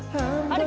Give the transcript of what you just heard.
あれ？